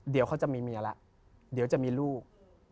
เดี๋ยวเขาจะมีเมียแล้วเดี๋ยวจะมีลูก